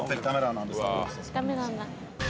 ダメなんだ。